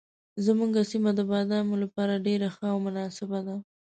زموږ سیمه د بادامو لپاره ډېره ښه او مناسبه ده.